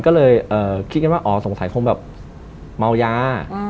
ก็เลยคิดกันว่าอ๋อสงสัยคงแบบเมายา